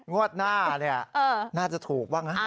งวดหน้าเนี่ยน่าจะถูกบ้างนะ